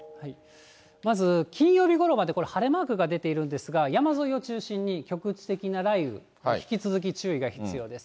まず、金曜日ごろまで晴れマークが出ているんですが、山沿いを中心に局地的な雷雨、引き続き注意が必要です。